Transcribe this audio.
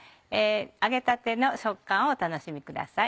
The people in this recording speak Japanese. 揚げたての食感をお楽しみください。